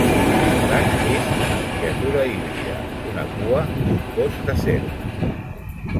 El drac és una criatura híbrida: una cua i un cos de serp.